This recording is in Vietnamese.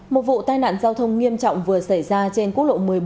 một vụ tai nạn giao thông nghiêm trọng vừa xảy ra trên quốc lộ một mươi bốn